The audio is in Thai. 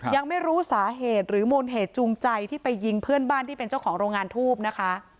ยังไม่รู้สาเหตุหรือมูลเหตุจูงใจที่ไปยิงเพื่อนบ้านที่เป็นเจ้าของโรงงานทูบนะคะ